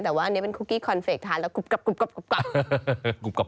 แต่ว่าอันนี้เป็นคุกกี้คอนเฟรกทานแล้วกรุบกรับกรุบกรับ